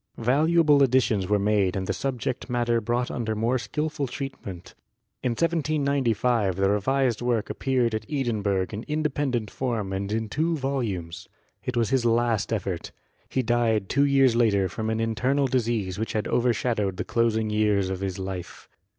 Valuable additions were made and the subject matter brought under more skilful treatment. In 1795 the revised work appeared at Edinburgh in independent form and in two volumes. It was his last effort; he died two years later from an internal disease which had over shadowed the closing years of his life.